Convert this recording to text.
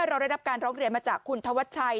เราได้รับการร้องเรียนมาจากคุณธวัชชัย